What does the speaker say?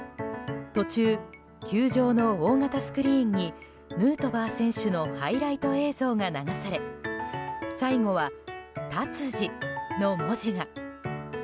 途中、球場の大型スクリーンにヌートバー選手のハイライト映像が流され最後は「ＴＡＴＳＵＪＩ」の文字が。